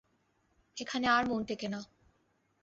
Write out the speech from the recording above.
এখানে আর মন টেকে না।